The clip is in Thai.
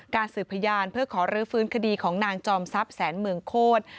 สืบพยานเพื่อขอรื้อฟื้นคดีของนางจอมทรัพย์แสนเมืองโคตร